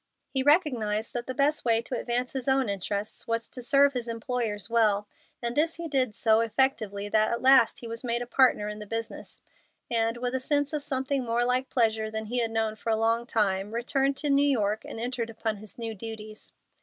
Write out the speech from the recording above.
He recognized that the best way to advance his own interests was to serve his employers well; and this he did so effectually that at last he was made a partner in the business, and, with a sense of something more like pleasure than he had known for a long time, returned to New York and entered upon his new duties.